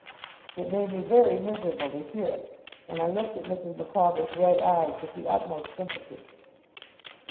It made me very miserable to hear it, and I looked at Mrs. Micawber's red eyes with the utmost sympathy.